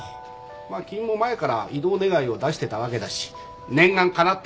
まあ君も前から異動願いを出してたわけだし念願かなったわけだ。